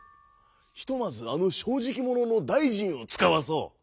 ひとまずあのしょうじきもののだいじんをつかわそう！